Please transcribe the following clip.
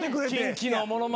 キンキのものまねは。